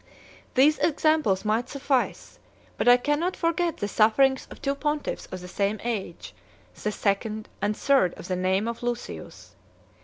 15 These examples might suffice; but I cannot forget the sufferings of two pontiffs of the same age, the second and third of the name of Lucius.